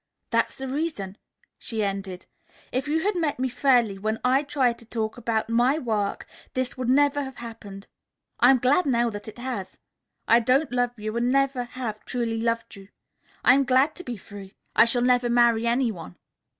"That's the reason," she ended. "If you had met me fairly when I tried to talk to you about my work this would never have happened. I am glad now that it has. I don't love you and never have truly loved you. I am glad to be free. I shall never marry any one.